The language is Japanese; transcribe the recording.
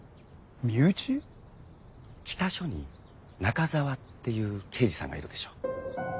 北署に中沢っていう刑事さんがいるでしょ。